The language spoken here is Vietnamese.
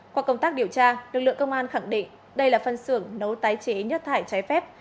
qua công tác điều tra lực lượng công an khẳng định đây là phân xưởng nấu tái chế nhất thải trái phép